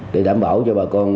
để đảm bảo cho bà con